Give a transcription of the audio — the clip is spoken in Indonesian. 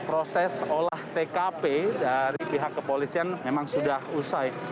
proses olah tkp dari pihak kepolisian memang sudah usai